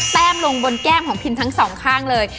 แต้มลงบนแก้มของพิมทั้งสองข้างเลย